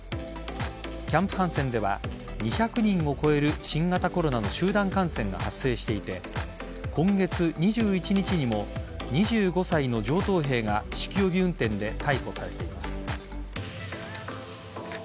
キャンプ・ハンセンでは２００人を超える新型コロナの集団感染が発生していて今月２１日にも２５歳の上等兵が酒気帯び運転で逮捕されています。